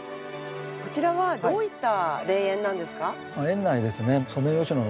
こちらはどういった霊園なんですか？